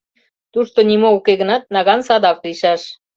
Тушто нимо уке гынат, наган садак лийшаш.